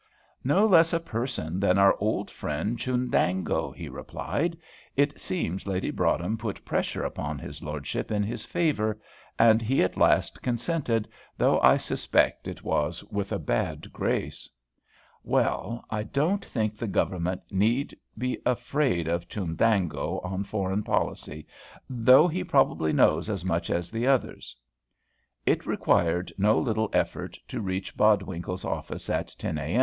"No less a person than our old friend Chundango," he replied. "It seems Lady Broadhem put pressure upon his lordship in his favour, and he at last consented, though I suspect it was with a bad grace." "Well, I don't think the Government need be afraid of Chundango on foreign policy, though he probably knows as much as the others." It required no little effort to reach Bodwinkle's office at 10 A.